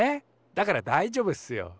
だからだいじょうぶっすよ。